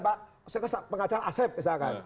pak saya kata pengacara asep misalkan